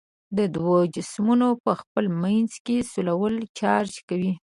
د دوو جسمونو په خپل منځ کې سولول چارج کوي.